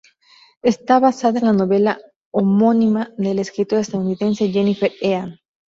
Está basada en la novela homónima de la escritora estadounidense Jennifer Egan.